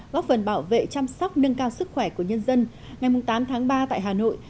góp phần bảo vệ chăm sóc nâng cao sức khỏe của nhân dân ngày tám tháng ba tại hà nội